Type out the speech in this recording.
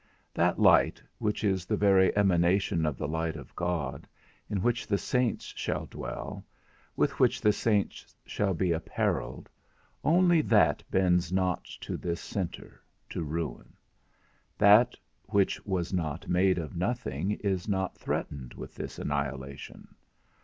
That light, which is the very emanation of the light of God, in which the saints shall dwell, with which the saints shall be apparelled, only that bends not to this centre, to ruin; that which was not made of nothing is not threatened with this annihilation.